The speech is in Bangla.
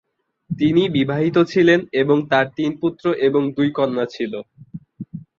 তিনি বিবাহিত ছিলেন এবং তার তিন পুত্র এবং দুই কন্যা ছিল।